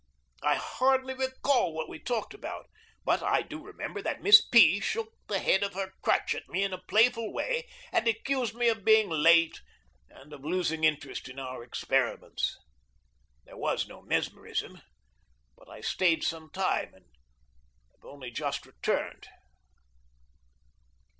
I hardly recall what we talked about, but I do remember that Miss P. shook the head of her crutch at me in a playful way, and accused me of being late and of losing interest in our experiments. There was no mesmerism, but I stayed some time and have only just returned.